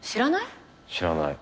知らない？